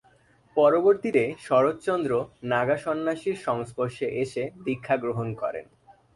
পরবর্তীতে শরৎ চন্দ্র নাগা সন্ন্যাসীর সংস্পর্শে এসে দীক্ষা গ্রহণ করেন।